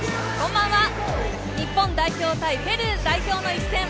日本代表×ペルー代表の一戦。